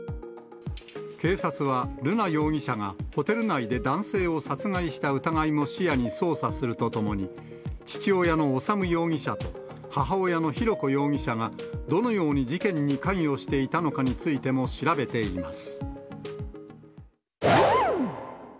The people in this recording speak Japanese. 警察は、瑠奈容疑者がホテル内で男性を殺害した疑いも視野に捜査するとともに、父親の修容疑者と母親の浩子容疑者がどのように事件に関与していたのかについても調べています。